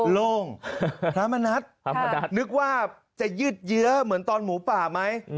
โล่งพระมณัฐนึกว่าจะยืดเยื้อเหมือนตอนหมูป่าไหม